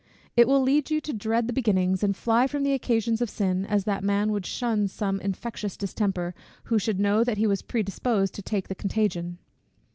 It will lead you to dread the beginnings, and fly from the occasions of sin; as that man would shun some infectious distemper, who should know that he was pre disposed to take the contagion.